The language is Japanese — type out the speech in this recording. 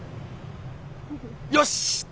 よし！